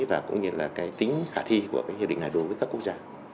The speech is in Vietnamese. và cũng như là tính khả thi của hiệu định này đối với các quốc gia